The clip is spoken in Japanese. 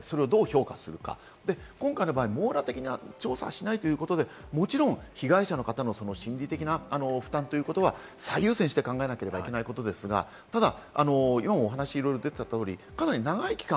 今回の場合、網羅的な調査はしないということで、もちろん被害者の方の心理的な負担ということは最優先して考えなければいけないことですが、ただかなり長い期間